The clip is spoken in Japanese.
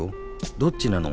どっちなの？